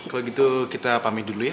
kalau gitu kita pamit dulu ya